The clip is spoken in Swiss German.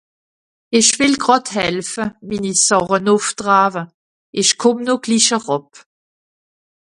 Ìch wìll gràd helfe, mini Sàche nùff traawe, ìch kùmm no glich eràb.